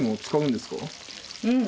うん。